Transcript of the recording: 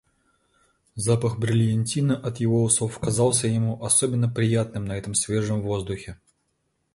Запах брильянтина от его усов казался ему особенно приятным на этом свежем воздухе.